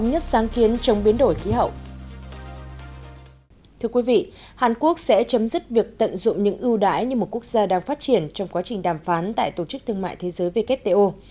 thưa quý vị hàn quốc sẽ chấm dứt việc tận dụng những ưu đãi như một quốc gia đang phát triển trong quá trình đàm phán tại tổ chức thương mại thế giới wto